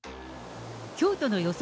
京都の予想